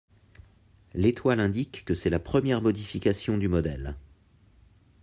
L'étoile indique que c'est la première modification du modèle.